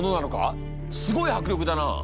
すごい迫力だなあ。